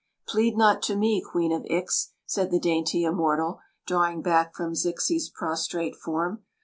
" Plead not to me. Queen Ix !" said the dainty hnmortal, drawing back from Zixi's prostrate form.